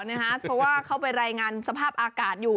เพราะว่าเขาไปรายงานสภาพอากาศอยู่